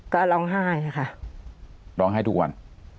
ก็ร้องไห้ค่ะร้องไห้ทุกวัน